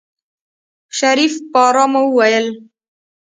شريف په آرامه وويل.